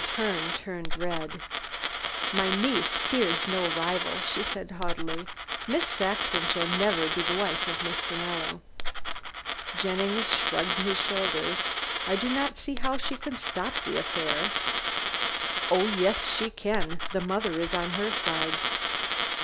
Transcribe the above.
Herne turned red. "My niece fears no rival," she said haughtily. "Miss Saxon shall never be the wife of Mr. Mallow." Jennings shrugged his shoulders. "I do not see how she can stop the affair." "Oh yes, she can. The mother is on her side."